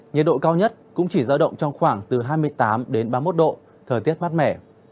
nhiệt độ cao nhất cũng chỉ giao động trong khoảng từ hai mươi tám đến ba mươi một độ thời tiết mát mẻ